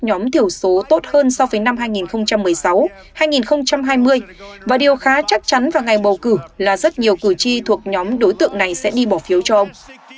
nhóm này đang vận động các nhóm thiểu số tốt hơn so với năm hai nghìn một mươi sáu hai nghìn hai mươi và điều khá chắc chắn vào ngày bầu cử là rất nhiều cử tri thuộc nhóm đối tượng này sẽ đi bỏ phiếu cho ông